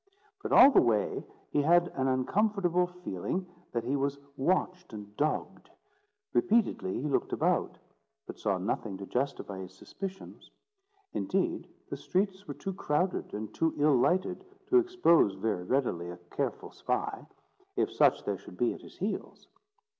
But all the way he had an uncomfortable feeling that he was watched and dogged. Repeatedly he looked about, but saw nothing to justify his suspicions. Indeed, the streets were too crowded and too ill lighted to expose very readily a careful spy, if such there should be at his heels.